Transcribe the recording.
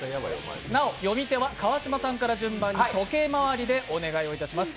なお読み手は川島さんから順番に時計回りでお願いします。